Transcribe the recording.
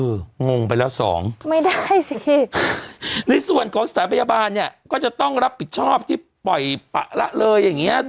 งงไปแล้วสองไม่ได้สิในส่วนของสถานพยาบาลเนี่ยก็จะต้องรับผิดชอบที่ปล่อยปะละเลยอย่างเงี้ย